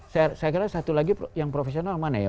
saya kira satu lagi yang profesional mana ya